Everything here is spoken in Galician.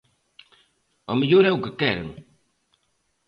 Ao mellor é o que queren.